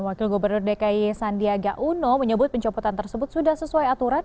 wakil gubernur dki sandiaga uno menyebut pencopotan tersebut sudah sesuai aturan